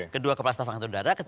kedua kepala staf angkatan udara